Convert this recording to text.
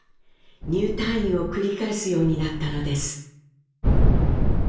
入退院を繰り返すようになったのです。